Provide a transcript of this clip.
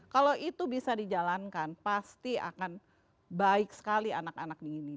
kalau itu bisa dijalankan pasti akan baik sekali anak anak di ini